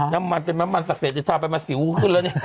น้ำมันเป็นมันมันศักดิ์เสร็จถ้าเป็นมันสิวขึ้นแล้วเนี่ย